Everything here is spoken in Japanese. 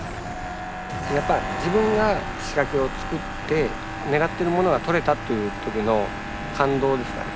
やっぱ自分が仕掛けを作って狙ってるものが取れたっていうときの感動ですかね。